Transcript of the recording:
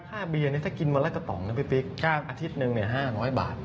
ค่าเบียร์เนี่ยถ้ากินวันละกระต่องเนี่ยม็งครับอาทิตย์นึง๕๕๐๐บาท